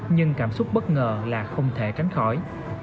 nhưng cảm xúc bất ngờ là không thể tránh khỏi